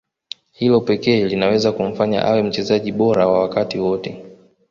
Hilo pekee linaweza kumfanya awe mchezaji bora wa wakati wote